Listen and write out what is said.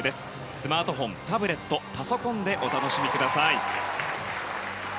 スマートフォン、タブレットパソコンでお楽しみください。